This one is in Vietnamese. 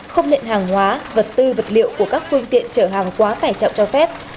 không nhận hàng hóa vật tư vật liệu của các phương tiện chở hàng quá tải trọng cho phép